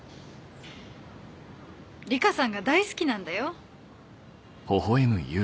梨花さんが大好きなんだよ。